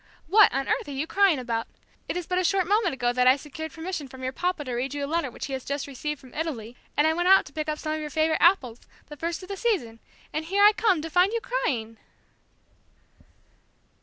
"What on earth are you crying about? It is but a short moment ago that I secured permission from your papa to read you a letter which he has just received from Italy, and I went out to pick up some of your favorite apples, the first of the season, and here I come to find you crying!"